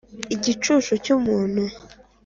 igicucu cy umuntu